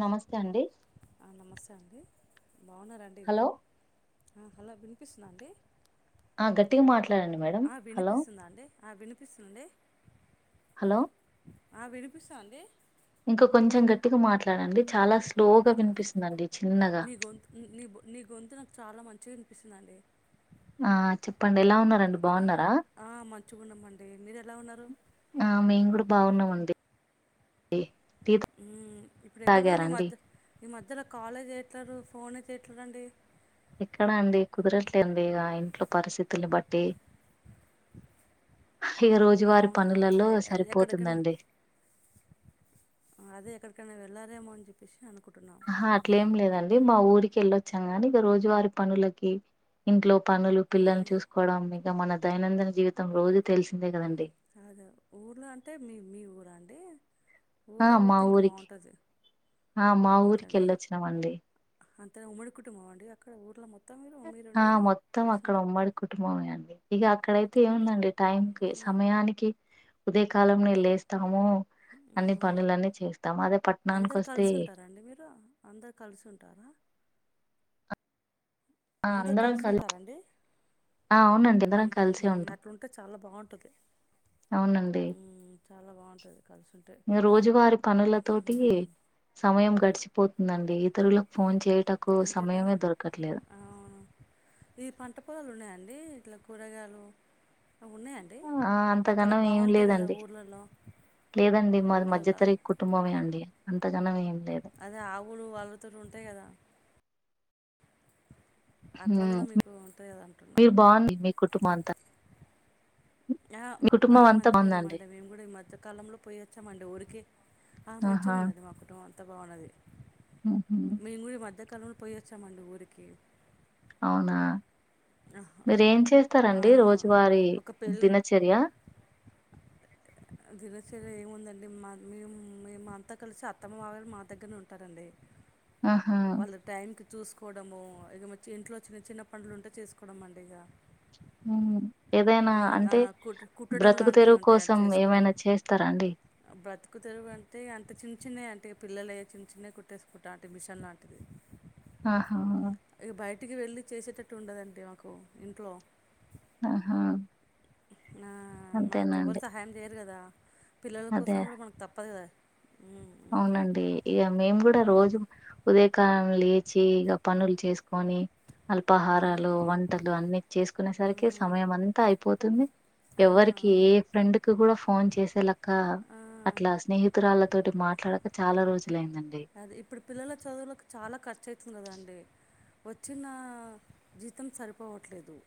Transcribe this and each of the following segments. నమస్తే అండి నమస్తే అండి బాగున్నారండి హలో హలో వినిపిస్తున్నా అండి ఆ గట్టిగా మాట్లాడండి మేడం హలో వినిపిస్తుండి హలో ఆ వినిపిస్తాంది ఇంకా కొంచెం గట్టిగా మాట్లాడండి చాలా స్లోగా వినిపిస్తుందండి చిన్నగా నీ గొంతు నీ నీ గొంతు నాకు చాలా మంచి చ్చ వినిపిస్తునండి ఆ చెప్పండి ఎలా ఉన్నారండి బాగున్నారు ఆ మంచిగ గున్నామండి మీరు ఎలా ఉన్నారు ఆ మేము కూడా బాగున్నామండి టీ ఉం ఇప్పుడు ఎక్కడ డండి ఈ తాగారండి మధ్య ఈ మధ్యలో కాలే చేయట్లేరు ఫోనే చేయట్లే దండి ఎక్కడా అండి కుదరట్లే అండి ఇక ఇంట్లో పరిస్థితుల్ని బట్టి ఇక రోజువారి అవునా పనులలో ఎ- ఎ- ఎక్కడికైనా సరిపోతుందండి అదే ఎక్కడికైనా వెళ్లారేమో అని చెప్పేసి అనుకు హా అట్లేం లేదండి మా ఊరికి వెళ్ళొచ్చాం కానీ ఇక రోజువారి పనులకి ఇంట్లో పనులు పిల్లలని మ్మ్, చూసుకోవడం ఇక మన దైనందిన జీవితం రోజు తెలిసిందే కదండి అవును ఊర్లో అంటే మీ మీ ఊరా అండి ఆ ఊర్లో మా పోతే ఇంకా ఊరికి బాగుంటుంది ఆ మా ఊరికి అంతేనా వెళ్ళొచ్చినామండి అంత ఉమ్మడి కుటుంబం అండి అక్కడ ఊరిలో మొత్తం మీరు మీరు ఆ ఉండేది మొత్తం కలిసి అక్కడ ఉంటారు ఉమ్మడి కుటుంబమే అండి ఇగ అక్కడైతే ఏముందండి టైంకి సమయానికి ఉదయా కాలం నే లేస్తాము అన్ని అవును పనులన్నీ చేస్తా అందరు కలిసి ఉంటారాండి మీరు అందరు కలిసి ఉంటారా ఆ అందరు అందరం కలిసి కలి ఉంటారండి ఆ అవునండి వూ అందరం కలిసే హమ్ ఉంటాం అట్లుంటే చాలా బాగుంటుంది టధి అవునండి చాలా బాగుంటది రోజువారి పనుల తోటి ఉహుహు. సమయం గట్టి సిపోతుందండి ఇతరులకు ఫోన్ చేయ అంతేనా ఆ ఈ పంట పొలాలు ఉన్నాయండి ఇట్లా కూరగాయలు ఉన్నాయండి ఆ అక్కడ అంతగనం ఏం బాగుంటాయి కదా లేదండి ఊళ్ళలో లేదండి మాది మధ్య తరగ కుటుంబమే అండి అంతగనమ్ ఏమి అదే ఆవులు వాళ్ళతోనీ ఉంటాయి కదా అట్లా ఉం కూడా మీకు ఉంటాయి కదా అంటున్నా మీరు బాగుంది మీ కుటంబం అంత ఆ ఆ అంతా మంచిగా బాగుందండి ఉన్నామండి మేము కూడా ఈ మధ్యకాలంలో పోయి వచ్చామండి ఊరికి ఆ ఆహా మంచిగా ఉండండి మా కుటుంబం ఎంత బాగున్నది ఉహు మేం కూడ ఈ మధ్యకాలంలో పోయి వచ్చామండి ఊరికి అవునా ఆహ్! మీరు ఏం ఆ! చేస్తారండి రోజువారి ఒక పెళ్ళి దినచర్య దినచర్య ఏముందండి మేమంతా కలిసి అత్తమ్మ వాల్లు మా దగ్గరనే ఉంటారండి ఆహా వాళ్ళ టైంకి చూసుకోవడము ఇక మ ఇంట్లో చిన్న చిన్న పనులు ఉంటే చేసుకోవడం అండి ఇక హూ హమ్ ఏదైనా హ్మ్. ఆ! అంటే కుట్ కుట్టడం బ్రతుకు లాంటివి తెరువు ఉంటాయండి కోసం ఏమైనా చేస్తారా అండి తుకు దెరువు అంటే అంత చిన్న చిన్నయి అంటే పిల్లల చిన్నవి కుట్టేసుకుంటా అంటే మిషన్ లాంటిది ఆహా ఇంటికి వెళ్ళి చేసేటట్టు ఉండదండి మాకు ఇంట్లో ఆహా మనకి ఎవరు అంతేనండి సహాయం చేయరు కదా పిల్లల అదే కోసం కూడా మనకు తప్పదు కదా అవునండి ఇక మేము కూడా రోజు ఉదయ కాల లేచి ఇక పనులు చేసుకొని కానీ ఉమ్, అల్పాహారాలు ఉమ్, వంటలు అన్ని చేసుకునే సరికి ఉమ్, సమయం అంతా అయిపోతుంది ఆ, ఎవరికి ఏ ఫ్రెండ్కి కూడా ఫోన్ చేసే లక్క ఆ, అట్లా స్నేహితురాళ్ళతోటి మాట్లాడక చాలా రోజు అది ఇప్పుడు పిల్లల చదువులకి చాలా ఖర్చు చ్చ అవుతుంది కదా అండి వచ్చిన జీతం సరిపోవట్లేదు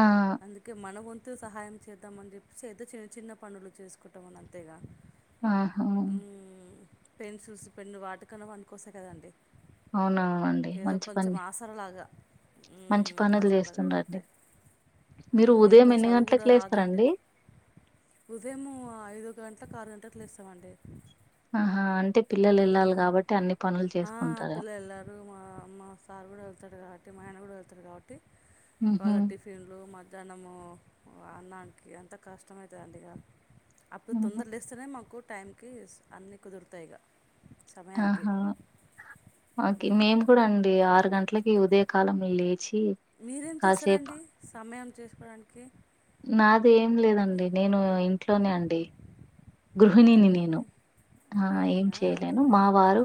ఆ అందుకే మన తు సహాయం చేద్దామని చెప్పేసి ఏదో చి చిన్న పనులు చేసుకుంటాంమని అంతేగా ఆహా పెన్సు పెన్ను వాటికన్నా పనికొస్తాయ్ కదండి అవునవునండి ఏదో మంచి కొంచెం పని ఆసరలాగా మంచి పనులు ఆసరలాగా చేస్తుండి అంటే మీరు ఉదయం ఎన్ని గంటలలకు లేస్తారంండి ఉదయము ఐదు గంటలకు ఆరు గంటలకు లేస్తామండి ఆహా అంటే పిల్లలు వెళ్ళాలి కాబట్టి అన్ని పనులు ఆ చేసుకుంటారు పిల్ల వెళ్ళారు మామ్ మా సారు కూడా వెళ్తాడు కాబట్టి టే మా ఆయన కూడా వెళ్తారు కాబట్టి ఆహా వాళ్ళ టిఫిన్లు మ్య ధ్యానము అన్నానికి ఎంత కష్టమయితదిడిక అప్పుడు తొందర లేస్తేనే మాకు టైంకి అన్నీ కుదురుతాయి ఇక సమయానికి ఆహా మాకి మేము కూడా అండి ఆరు గంటలకి ఉదయ కాలం వెళ్ళ మీరేం చేస్తారంండి సమయం చేసుకోవడానికి నాదేం లేదండి నేను ఇంట్లోనే అండి గృహిణిని నేను అంతేనండి ఆ ఏం గృహిణినా చేయలేను అదేలే మా వారు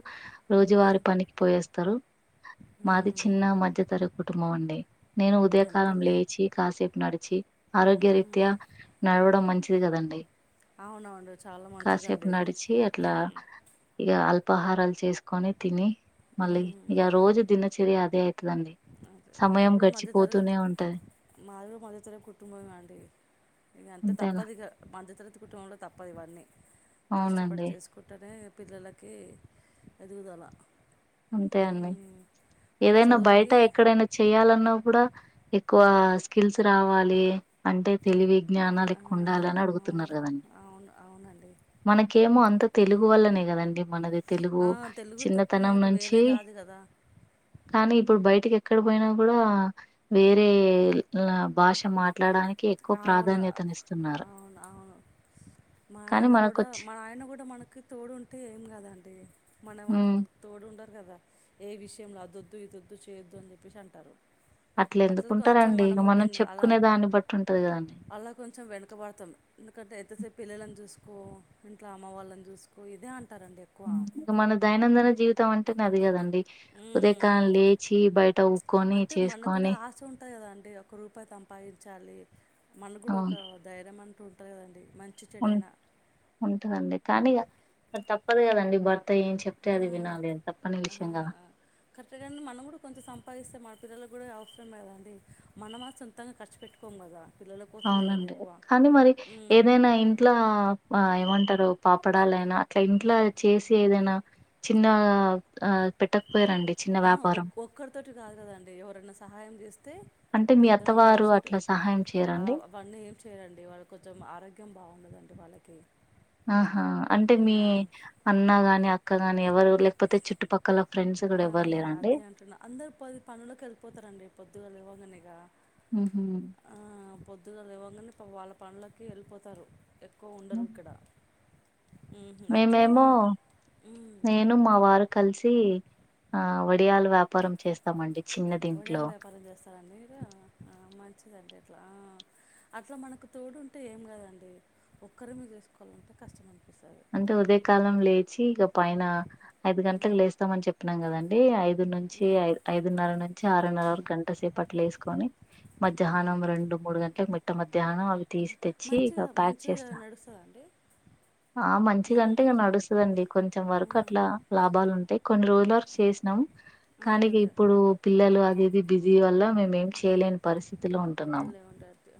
రోజువారు ఉమ్, పనికి పోయేస్తారు మాది ఉమ్, చిన్న మధ్యతరగ కుటుంబమండి నేను ఉదయకాలం అంతేలే లేచి కాసేపు నడిచి ఆరోగ్య రీత్యా నడవడం మంచిది కదండి అవునవును చాలా కాసేపు మంచిదండి నడిచి అట్లా ఇక అల్పాహారాలు చేసుకొని తిని మళ్ళీ ఉమ్, ఇక ఉమ్, రోజు దినచర్య అదే అయితుదండి అదే. మాది సమయం కూడా మధ్యతరగతి గడిచిపోతూనే ఉంటది మాది మధ్యతర కుటుబమండి ఇగంతే అంతేనా తప్పదిగా మధ్యతు పతి కుటుంబంలో తప్పదివన్నీ కష్టపడి అవునండి చేసుకుంటేనే పిల్లలకి ఎదుగుదల అంతే అండి ఉమ్, వాళ్ళ ఏదైనా బయట చదువులకి ఎక్కడై చేయాలన్నా కూడా ఎక్కువ స్కిల్స్ రావాలి అంటే తెలివి ఆ, జ్ఞానాలెక్కువ ఉండాలని అవును అడుగుతున్నారు కదండి అవును అవునండి మనకేమో అంత తెలుగు వల్లనే కదండి మనది తెలుగు ఆ, తెలుగు తప్ప చిన్నతనం మనకు నుంచి వేరే రాదు కదా కానీ ఇప్పుడు బయటకి ఎక్కడ పోయినా కూడా వేరే భాష మాట్లాడానికి ఎక్కువ అవును ప్రాధాన్యతనిస్తు అవును అవును మా కానీ ఆయన గూడా మనకొచ్చి మన ఆయన కూడా మనకి తోడు ఉంటే ఏం కాదండి మన వానకి ఉమ్, మనకి తోడు ఉండ కదా ఏ విషయంలో అదొద్దు ఇదొద్దు చేయొద్దు అని చెప్పేసి అంటారు అట్లా కొంచెం అట్లెందుకుంటారంండి ఇక మనము మనం వెన్ అలా చెప్పుకునే దాన్ని బట్టి ఉంటే అలా కొంచెం వెనకబడతాం ఎందుకంటే ఎంతసేపు పిల్లల చూసుకో ఇంట్లో అమ్మ వాళ్ళని చూసుకో ఇదే అంట ఇగ మన దైనందిన జీవితం అంటే అది కదండి ఉమ్, ఉమ్, ఉదయకాలం ఉమ్. లేచి బయట ఊక్కొని అంటే మనకు కూడా చేసుకొని ఆశ ఉంటుంది కదా అండి ఒక రూపాయి సంపాదించాలి మన కూడా ఒక అవును ధైర్యం అంటూ ఉంటాది కదండి మంచి ఉ చెడైనా ఉంటదండి కానీగ తప్పదు కదండి భర్త ఏం చెప్తే ఆ, అది వినాలి తప్పని ఆ, విషయం కదా ఆ. పిల్లలలు కూడా అవసరం లే కద అండి మనంమ సొంతంగా ఖర్చు పెట్టుకోము కదా పిల్లల కోసమే కదా అవునండి ఎక్కువ కానీ మరి ఉమ్, ఏదైనా ఇంట్లో ఆ ఏమంటారో పాపడాలైనా అట్లా ఇంట్లో చేసి ఏదైనా చిన్న పెట్ట ఆహా ఒ ఒక్కరితోటి కాదు కదండి ఎవరైనా సహాయం చేస్తే అంటే ఒక మీ ఇద్దరు ముగ్గరు అత్తవారు కలిసుంటే అట్లా సహాయం ఆ చేయరండి అవన్నీ ఏం చేయ్యండి వాళ్ళు కొంచెం ఆరోగ్యం బా బాగుండదండి వాళ్ళకి ఆహా అంటే మీ ఆ, అన్న గాని అక్కగాని ఎవరు లేకపోతే చుట్ట ఆ అదే అంటున్నా అందరు పది పనులోకి వెళ్ళిపోతారండి పొద్దుగా లేవంగానే ఇక ఉహు పొద్దుగా లేవ్వంగానే వాళ్ళ పనులకి వెళ్ళిపోతారు ఎక్కువ ఉండరు ఇక్కడ హుహు. అట్లా మేమేమో హ్మ్. నేను మా వారు కలిసి ఆ వడియాలు వ్యాపారం చేస్తామండి చిన్నది ఇంట్లో వడియాల వ్యాపారం చేస్తారండి మీరు ఆ మంచిదండీ అ అట్లా మనకు తోడు ఉంటే ఏం కాదండి ఒక్కరి మే చేసుకోవాలంటే కష్టం అనిపిస్తది. అంటే ఉదయ కాలం లేచి ఇక పైన ఐదు హ్మ్. గంటలకు లేస్తామని చెప్పినం కదండి అండి ఐదు నుంచి ఐదు ఐదున్నర నుంచి ఆరున్నర వరకు గంట సేపు పట్టలు వేసుకొని హ్మ్. మధ్యాహ్నం రెండు మూడు గంటలకు మిట్ట మధ్యాహ్నం అవి తీసి తెచ్చి మంచిగా ఇక ప్యాక్ మంచిగా చేస్తా నడుస్తదా అండి? ఆ మ ఆ! మంచిగంటే ఇక నడుస్తదండి కొంచెం వరకు అట్లా లాభాలు ఉంటాయి కొన్ని రోజుల వరకు చేసినాము ఆ! కానీ అదే అదే. ఇప్పుడు పిల్లలు అదిది బిజీ వల్ల మేము అద్దలేమంటారు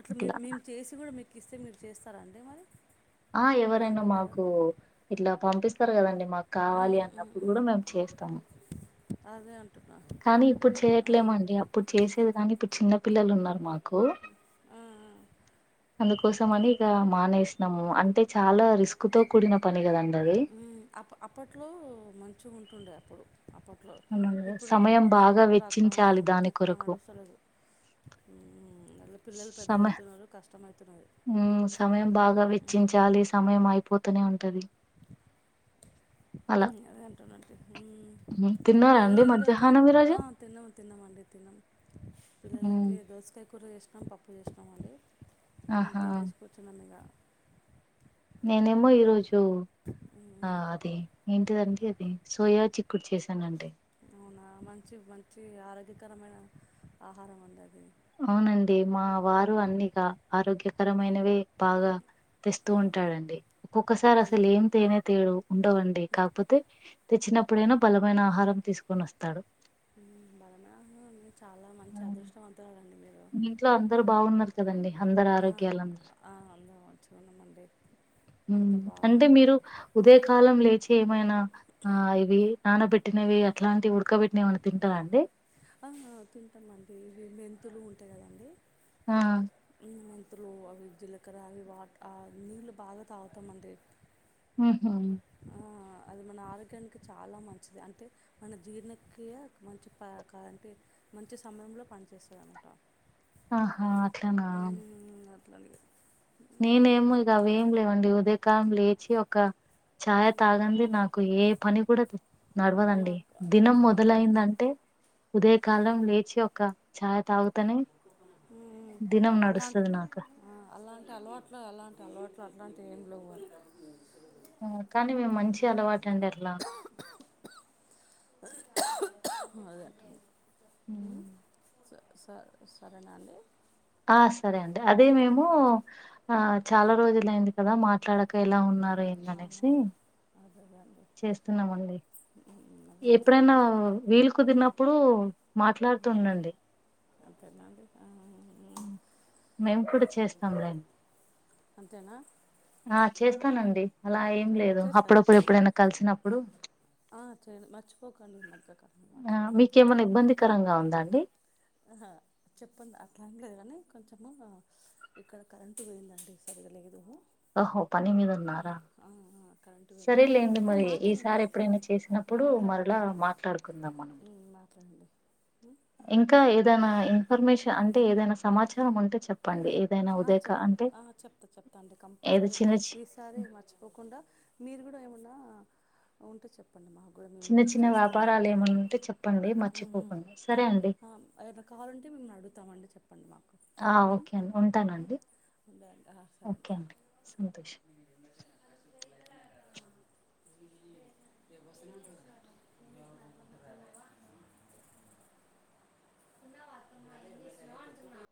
అట్లా మే మేము చేసి కూడా మీకు కిస్తే మీరు చేస్తారండి మరి ఆ ఎవరైనా కొనుక్కుంటారా మాకు ఇట్లా పంపిస్త కదండి మాకు కావాలి ఉమ్, ఉమ్, అన్నప్పుడు కూడా ఉమ్. మేము చేస్తాము అదే అం కానీ ఇప్పుడు చేయట్లేమండి అప్పుడు చేసేది కానీ ఇప్పుడు చిన్న పిల్లలు ఉన్నారు మాకు కు ఆ, అందుకోసం అని ఇక మానేస ము అంటే చాలా రిస్క్ తో కూడిన పని కదండి అది ఉమ్ అప్పట్లో మంచి గా ఉంటుండే అప్పుడు అప్పట్లో మనం ఇప్పుడు సమయం ఎక్కువ నడు బాగా ఎప్పుడు వెచ్చించాలి దాని ఎక్కువ కొరకు నడుస్తలేదు ఉమ్, అట్లా పిల్లలు పెద్ద సమయ అవుతున్నారు కష్టమవుతున్నది ఉమ్ సమయం బాగా ఉమ్, వెచ్చించాలి సమయం అయిపో పోతూనే ఉంట అలా అంటున్నట్టు ఉమ్, తిన్నారా అండి పిల్లలు ఏం చదువుతున్నా మధ్యాహ్నం ఈరోజు ఆ తిన్నాము తిన్నామ అండి తిన్నాము ఉమ్, పిల్లలకి దోసకయ కూర చేసి పప్పు చేసినాం అండి ఆహా తినేసి కూర్చున్నం ఇక నేనేమో ఈరోజు ఉమ్, ఆ ఉమ్. అది ఎం ఏంటిదండి అది సోయా చిక్కుడు చేసానండి అవునా మంచి మంచి ఆరోగ్యకరమైన ఆహారం అండి అది అవునండి మా వారు అన్నిఇక ఆరోగ్యకరమైనవే బాగా తెస్తూ ఉంటాడండి ఒక్కొక్కసారి ఉమ్, అసలు ఏం తేనె తేడు ఉండవండి కాకపోతే తెచ్చినప్పుడెమో బలమైన ఆహారం తీసుకొని వస్తాడు బలమైన ఆహారం అండి చాలా మంచి ఉమ్, అదృష్టవంతులండి మీరు ఇంట్లో అందరు బాగున్నారు కదండి అందరు ఆ, ఆరోగ్యాలు ఆ, అందరం మంచిగా ఉన్నామండి అంత అంటే బాగున్నారు మీరు ఉదయ కాలం లేచి ఏమైనా ఆ ఇ నానబెట్టినవి అట్లాంటి ఉడకబట్టినవి ఎమైనా తింటారా అండి ఆ తింటాం అండి ఇవి మెంతులు ఉంటాయి కదండి ఆ మెంతులు అవి జీలకర అవి వా ఆ నీళ్లు బాగా తాగుతామండి ఉమ్ ఆ, అది మన ఆరోగ్యానికి చాలా మంచిది అంటే మన జీర్ణక్రియ మంచి ప అంటే మంచి సమయంలో పనిచేస్తదిఅనమాట ఆహా అట్లానా అట్లా నేనేమో ఇక అవి ఏం లేవండి ఉదయకాలం లేచి ఒక ఛాయ్ తాగందే నాకు ఏ పని కూడా తె నడవదండి మాకు దినం మాకు మొదలయిందంటే ఉదయ కాలం లేచి ఒక చాయ్ తాగుతానే అలాంటి నాకు. అలాంటి అలవాట్లు అలాంటి అలవాట్లు అట్లాంటి ఏం లేవని ఆ కానీ మేము మంచి అలవాటు అండి అట్లా అదే అంటున్నా. హ్మ్. సరే సరేనండి ఆ సరే అండి అదే మేము చె- ఆ చాలా రోజులైంది కదా కదా మాట్లాడక ఎలా ఉన్నారు ఏందిఅనేసి అవునండి అదే అండి చేస్తున్నామండి మ్మ్. అదే అండి ఎప్పుడైనా వీలు కుదిరినప్పుడు మాట్లాడుతూ ఉండండి అంతేనండి మేము కూడా చేస్తాం రండి అంతేనా ఆ చేస్తానండి అలా ఏం సరే, లేదు చేస్తారా అప్పుడప్పుడు ఎప్పుడైనా కలిసినప్పుడు ఆ చెయ్యండి మర్చిపోకండి మధ్య ఆ మీకేమైన్నా ఇబ్బందికరంగా ఉందా అండి ఆహా చెప్పండి అట్లాం లేదు కానీ కొంచెము ఇక్కడ కరెంట్ పోయిందండి సరీ ఓహో పనిమీదున్నారా కరెంటు పోయింది సరేలేండి మరి మాట్లాడండి ఈసారి ఎప్పుడైనా మాట్లాడండి చేసినప్పుడు మరలా మాట్లాడుకుందాం మనం ఉ మాట్లాడండి ఉమ్, ఇంకా ఏదైనా ఇన్ఫర్మేషన్ అంటే ఏదైనా సమాచారం ఉంటే చెప్పండి ఏదైనా ఆ ఉదయక చెప్ అంటే ఆహా చెప్తా చెప్తా అండి ఏదో కంపల్సరీ చిన్న చి- ఈసారి మర్చిపోకుండా మీరు కూడా ఏమున్న ఉంటే చెప్ప చిన్న చిన్న వ్యాపారాలు ఏమన్నా ఉంటే చెప్పండి ఉ ఉ మర్చిపోకుండా సరే అండి ఏమన్నా కావాలంటే మేమ్ని అడుగుతామండి చెప్ప ఆ ఓకే అండి ఉంటానండి ఉండండి ఆహా ఓకే సరేనండి అండి సంతోషం ఆహా [inaudible] తిన్నావా అత్తమ్మ ఏం చేస్తున్నావ్ అంటున్న